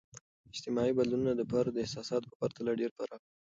اجتماعي بدلونونه د فرد احساساتو په پرتله ډیر پراخ دي.